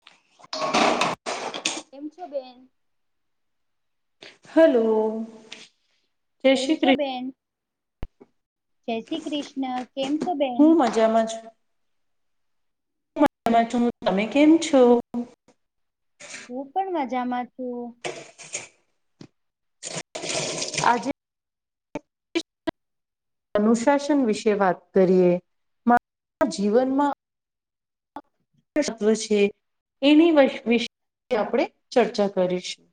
[inaudible] કેમ છો બેન. હલો. જય કેમ શ્રી છો કૃષ્ણ બેન? જય શ્રી કૃષ્ણ કેમ છો બેન? હું મજામાં છું. હું મજામાં છું તમે કેમ છો? હું પણ મજામાં છું. [inaudible] આજે [inaudible] અનુશાસન વિશે વાત કરીએ મા જીવનમાં તત્વ છે એની વી વિશે આપણે ચર્ચા કરીશું.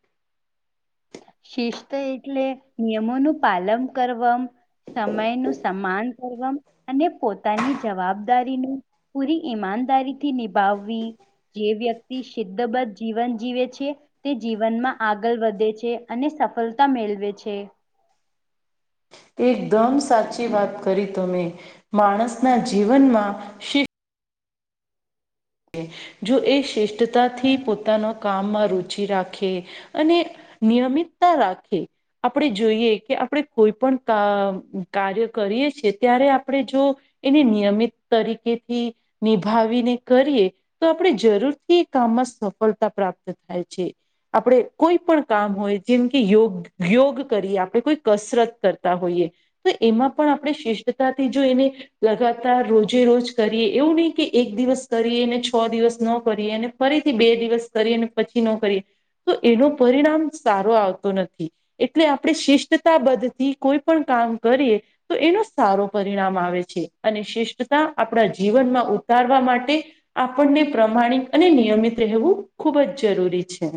શિસ્ત એટલે નિયમોનું પાલન કરવ સમય નું સન્માન કરવા અને પોતાની જવાબદારીનું પૂરી ઈમાનદારી થી નિભાવવી જે વ્યક્તિ સિદ્ધબદ્ધ જીવન જીવે છે તે જીવનમાં આગળ વધે છે. છે અને સફળતા મેળવે છે. એકદમ સાચી વાત કરી તમે માણસના જીવનમાં સી છે જો એ શ્રેષ્ઠતાથી પોતાના કામમાં રુચિ રાખે અને નીયમિતતા રાખે આપણે જોઈએ કે આપણે કોઈ પણ અ કાર્ય કરીએ છીએ ત્યારે આપણે જો એને નિયમિત તરીકેથી નિભાવીને કરીએ તો આપણે જરૂરથી એ કામમાં સફળતા પ્રાપ્ત થાય છે. આપણે કોઈ પણ કામ હોય જેમ કે યોગ યોગ કરીએ આપણે કોઈ કસરત કરતા હોઈએ તો એમાં પણ આપણે શિષ્ટતાથી જો એને લગાતાર રોજે રોજ કરીએ એવું નહી કે એક દિવસ કરીને છો દિવસ ન કરીએને ફરીથી બે દિવસ કરી અને પછી ન કરીએ. તો એનો પરિણામ સારો આવતો નથી. એટલે આપણે શિષ્ટતા બદ્ધથી કોઈ પણ કામ કરીએ તો એનો સારો પરિણામ આવે છે અને શિષ્ટતા આપણા જીવનમાં ઉતારવા માટે આપણને પ્રમાણિત અને નિયમિત રહેવું ખૂબ જ જરૂરી છે.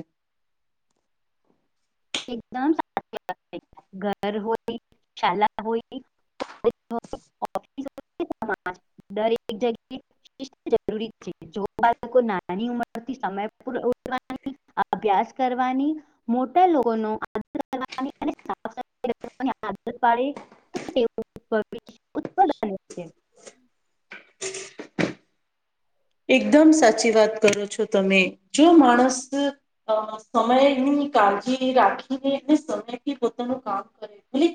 એકદમ [unintelligible] ઘર હોય શાલા હોય [unintelligible] દરેક જગ્યા જરૂરી છે [unintelligible] અભ્યાસ કરવાની મોટા લોકો નો આદર કરવાની અને [unintelligible] [unintelligible] બને છે એકદમ સાચી વાત કરો છો તમે જો માણસ અ સમયની કાળજી રાખીને અને સમયથી પોતાનું કામ કરે અને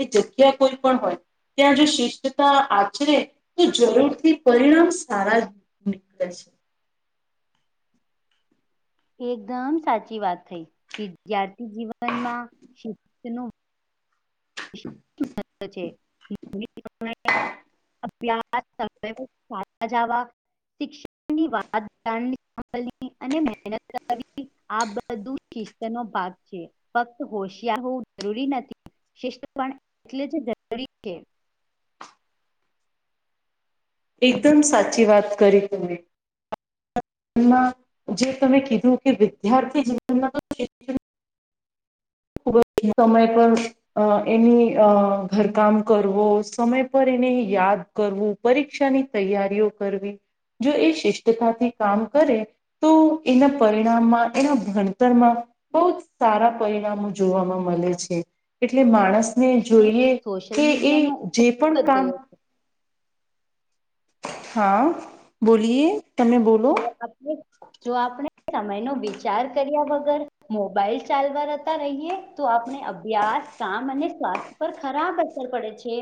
એ જગ્યા કોઈ પણ હોય ત્યાં જો શિસ્તતા આચરે તો જરૂરથી પરિણામ સારા નીકળે છે. એકદમ સાચી વાત થઈ વિદ્યાર્થી જીવનમાં [unintelligible] [inaudible] મહત્વ છે [unintelligible] [unintelligible] શિક્ષણની વાત જાણવી [unintelligible] મહેનત કર આ બધું શિસ્ત નો ભાગ છે ફક્ત હોશિયાર હોવું જરૂરી નથી શિસ્ત પણ એટલે જે [unintelligible] એકદમ સાચી વાત કરી તમે જે તમે કીધું કે વિદ્યાર્થી જીવનમાં તો ખુબ જ સમય પર અ એની અ ઘરકામ કરવો સમય પર એને યાદ કરવું પરીક્ષાની તૈયારીઓ કરવી જો એ શિષ્ટતા થી કામ કરે તો એના પરિણામમાં એના ભણતરમાં બહુ જ સારા પરિણામો જોવાવામાં મળે છે એટલે માણસ ને અને જોઈએ સોશિયલ કે એ મીડિયાનો જે પણ ઉપયોગ વધી કામ ગયો હા બોલીએ તમે બોલો જો આપણે જો આપણે સમય નો વિચાર કર્યા વગર મોબાઈલ ચાલવાતા રહીએ તો આપણે અભ્યાસ કામ અને સ્વાસ્થ્ય પર ખરાબ અસર પડે છે.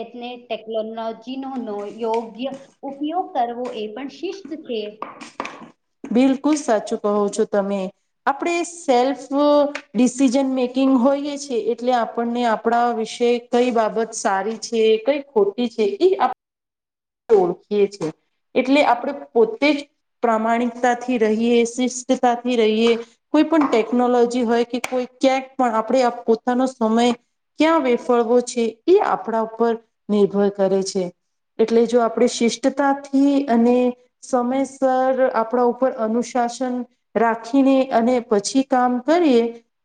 એને ટેકનોલોજી નો યોગ્ય ઉપયોગ કરવો એ પણ શિષ્ ત છે બિલકુલ સાચું કહો છો તમે. આપણે સેલ્ફ ડિસિઝન મેકિંગ હોઈએ છે એટલે આપણને આપણા વિશે કઈ બાબત સારી છે કઈ ખોટી છે એ આપ ઓળખીએ છીએ એટલે આપણે પોતે જ પ્રામાણિકતાથી રહીએ શિષ્ટતાથી રહીએ કોઈ પણ ટેકનોલોજી હોય કે કોઈ ક્યાંક પણ આપણે આ પોતાનો સમય ક્યાં વેફળવો છે, એ આપણા ઉપર નિર્ભર કરે છે. એટલે જો આપણે શિષ્ટતાથી અને સમયસર આપણા ઉપર અનુશાસન રાખીને અને પછી કામ કરીએ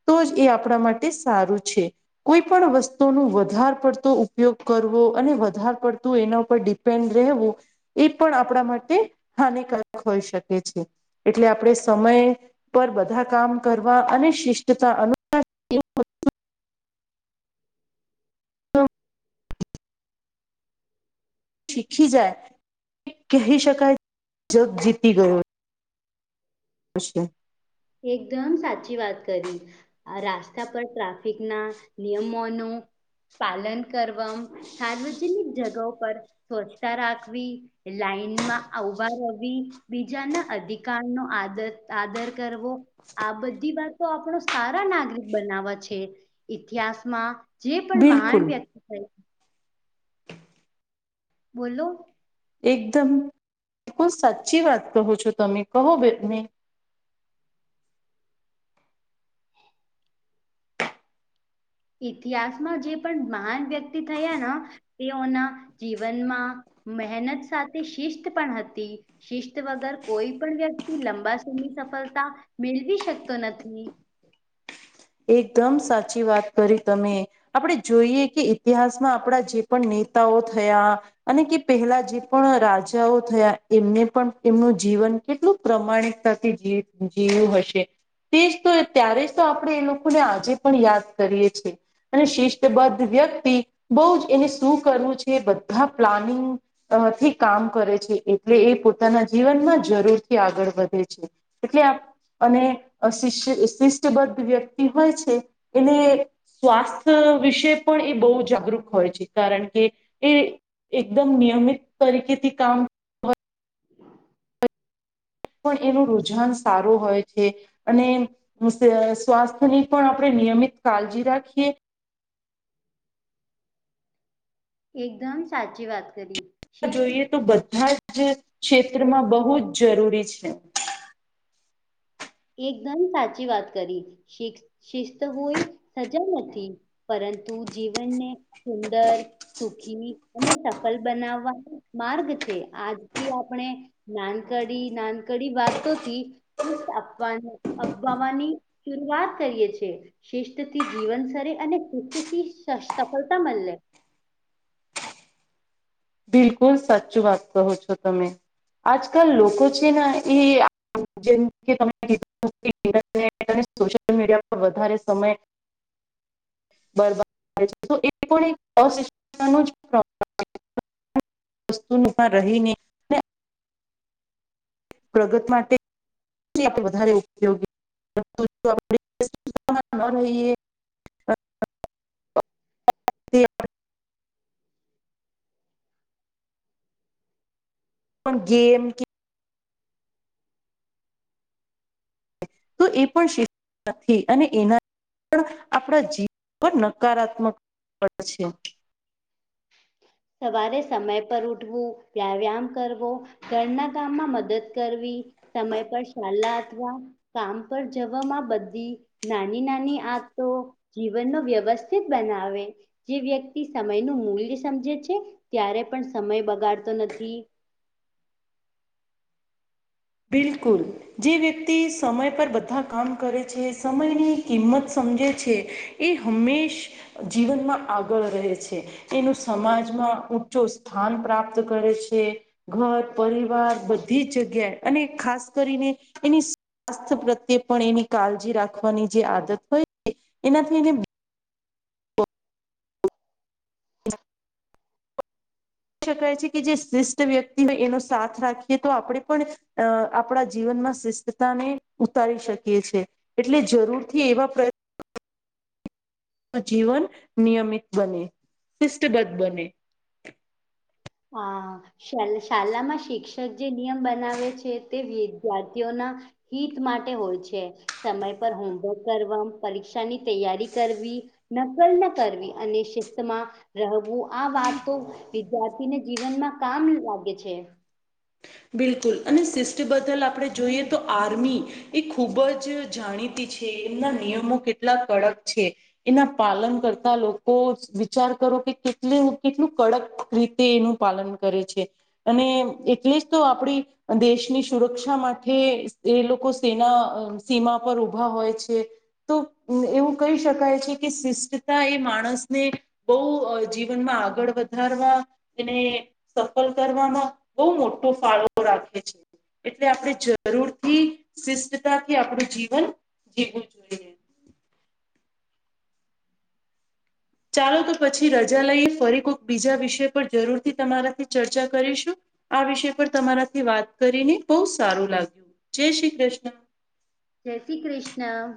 તો જ એ આપણા માટે સારું છે. કોઈ પણ વસ્તુ નો વધાર પડતો ઉપયોગ કરવો અને વધાર પડતું એના ઉપર ડિપેન્ડ રહેવું એ પણ આપણા માટે હાનિકારક હોઈ શકે છે. એટલે આપણે સમય પર બધા કામ કરવા અને શિષ્ટતા અનુ શીખી જાય કહી શકાય જગ જીતી ગયો. [unintelligible] એકદમ સાચી વાત કરી. આ રાસ્તા પર ટ્રાફિક ના નિયમોનું પાલન કરવા સાર્વજનિક જગા પર સ્વચ્છતા રાખવી- - લાઈનમાં ઉભા રવી બીજાના અધિકાર નો આદર આદર- - કરવો આ બધી વાતો આપણો સારા નાગરિક બનાવા છે. ઇતિહાસમાં જે પણ બિલકુલ મહાન વ્યક્તિ થ- - બોલો? એકદમ બિલકુલ સાચી વાત કહો છો તમે કહો બેને- - ઇતિહાસમાં જે પણ મહાન વ્યક્તિ થયા- - તેઓના જીવનમાં મહેનત સાથે શિસ્ત પણ હતી. શિસ્ત વગર કોઈ પણ વ્યક્તિ લંબા સમી સફળતા મેળવી શકતો નથી. એકદમ સાચી વાત કરી તમે. આપણે જોઈએ કે ઇતિહાસમાં આપણા જે પણ નેતાઓ થયા- - અને કે પહેલા જે પણ રાજાઓ થયા એમને પણ એમનું જીવન- - કેટલું પ્રમાણિકતાથી જી જીવ્યું હશે તેજ તો ત્યારે જ તો આપણે એ લોકો- - લોકોને આજે પણ યાદ કરીએ છે. અને શિષ્ટબદ્ધ વ્યક્તિ બહજ એને શું કરવું છે બધા પ્લાનિંગ અ થી કામ કરે છે એટલે એ પોતાના જીવનમાં જરૂરથી આગળ વધે છે. એટલે અને શિષ્ય શિષ્ટબદ્ધ વ્યક્તિ હોય છે એને- - સ્વાસ્થ્ય વિશે પણ એ બહુ જાગૃત હોય છે કારણ કે એ- - એકદમ નિયમિત તરીકેથી કામ- - પણ એનું રુજાન સારું હોય છે- - અને સ્વાસ્થ્યની પણ આપણે નિયમિત કાળજી રાખીએ- - એકદમ સાચી વાત કરી. શિસ્ત જોઈએ તો બધા જ ક્ષેત્રમાં બહુ જ જરૂરી છે. એકદમ સાચી વાત કરી શિક- - શિસ્ત હોય સજા નથી પરંતુ જીવનને સુંદર- - સુખી અને સફલ બનાવવાનો માર્ગ છે આજથી આપણે- - નાનકડી નાનકડી વાત તો થી- - આપવા અપવાની શરૂઆત કરીએ છીએ. શિસ્ત થી જીવન સરે અને શિસ્તથી સફળતા મળે. બિલકુલ સાચું વાત કહો છો તમે આજકાલ લોકો છે ને એ- - જેમ કે સોસિયલ મીડિયા પર વધારે સમય- - બબર- - [unintelligible] વસ્તુમાં રહીને- - પ્રગત માટે- - વધ ઉપયોગી આપ રહીએ- - તે પણ ગેમ કે- - તો એ પણ શ અને એના- - પણ આપણા જીવન પર નકારાત્મક [unintelligible] સવારે સમય પર ઉઠવું વ્યાયામ કરવો- - ઘરના કામમાં મદદ કરવી સમય પર સલા અથવા- - કામ પર જવામાં બધી નાની નાની આતો- - જીવનનો વ્યવસ્થિત બનાવે જે વ્યક્તિ સમય નું મૂલ્ય સમજે છે. ત્યારે પણ સમય બગાડતો નથી. બિલકુલ. જે વ્યક્તિ સમય પર બધા કામ કરે છે સમયની કિંમત સમજે છે. એ હંમેશ જીવનમાં આગળ રહે છે. એનું સમાજમાં ઊંચો સ્થાન પ્રાપ્ત કરે છે. ઘર પરિવાર બધી જ જગ્યાએ અને ખાસ કરીને એની સ્વસ્થ પ્રત્યે પણ એની કાળજી રાખવાની જે આદત હોય એનાથી એને કહી શકાય છે કે જે શ્રેષ્ઠ વ્યક્તિ હોય એનો સાથ રાખીએ તો આપણે પણ અ આપડા જીવનમાં શિસ્તતાને ઉતારી શકીએ છે એટલે જરૂરથી એવા પ્ર જીવન નિયમિત બને શિષ્ટગત બને હા શાળામાં શિક્ષક જે નિયમ બનાવે છે તે વિદ્યાર્થીઓના હિત માટે હોય છે સમય પર હોમવર્ક કરવા પરીક્ષાની તૈયારી કરવી નકલ ન કરવી અને શસ્તમાં રહેવું આ વાતો વિદ્યા થીને જીવન માં કામ લાગે છે બિલકુલ અને શિસ્ટ્ટ બદલ આપડે જોઈએ તો આર્મી એ ખૂબ જ જાણીતી છે એમના નિયમો કેટલા કડક છે એના પાલન કરતા લોકો વિચાર કરો કે કેટ કેટલું કડક રી તે એનું પાલન કરે છે અને એટલે જ તો આપડી દેશની સુરક્ષા માટે એ લોકો સેના સીમા પર ઉઊભા હોય છે તો એવું કહી શકાય છે કે શિષ્ટતા એ માણસને બઉ જીવનમાં આગળ વધારવા એને સફળ કરવામાં બહુ મોટો ફાળો રાખે છે એટલે આપડે જરૂરથી શિસ્તતાથી આપડું જીવન જીવવું જોઈએ ચાલો તો પછી રજા લઈએ ફરી કોક બીજા વિષય પર જરૂર થી તમારાથી ચર્ચા કરીશું આ વિષય પર તમારાથી વાત કરીને બહુ સારું લાગ્યું જય શ્રી કૃષ્ણ જય શ્રી કૃષ્ણ